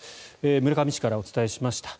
村上市からお伝えしました。